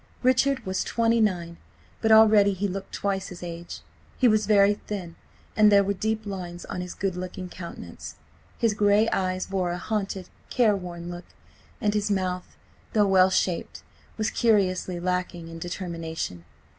Richard was twenty nine, but already he looked twice his age. He was very thin, and there were deep lines on his good looking countenance. His grey eyes bore a haunted, care worn look, and his mouth, though well shaped, was curiously lacking in determination.